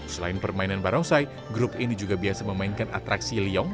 selain permainan barongsai grup ini juga biasa memainkan atraksi liong